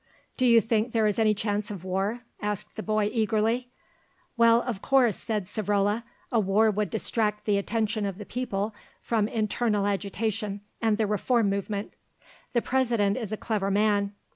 "Do you think there is any chance of war?" asked the boy eagerly. "Well, of course," said Savrola, "a war would distract the attention of the people from internal agitation and the Reform movement. The President is a clever man.